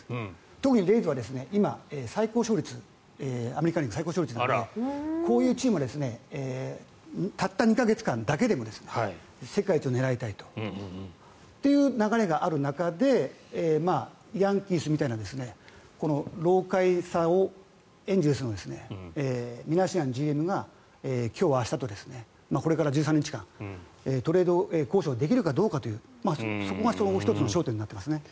特にレイズは今、最高勝率アメリカン・リーグの最高勝率なのでこういうチームはたった２か月間だけでも世界一を狙いたいという流れがある中でヤンキースみたいな老かいさをエンゼルスのミナシアンＧＭが今日明日とこれから１３日間トレード交渉できるかというそこが１つの焦点となりますね。